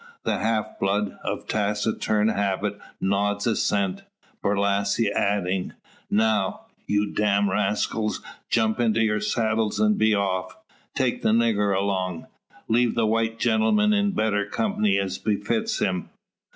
The half blood, of taciturn habit, nods assent, Borlasse adding: "Now, you damned rascals! jump into your saddles and be off. Take the nigger along. Leave the white gentleman in better company, as befits him."